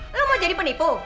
lo mau jadi penipu